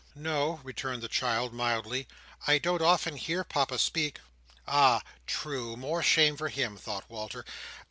"No," returned the child, mildly, "I don't often hear Papa speak." "Ah! true! more shame for him," thought Walter.